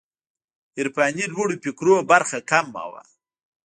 عرفاني لوړو فکرونو برخه کمه وه.